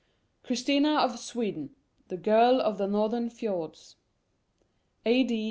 CHRISTINA OF SWEDEN: THE GIRL OF THE NORTHERN FIORDS. A.D.